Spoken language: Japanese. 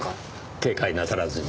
警戒なさらずに。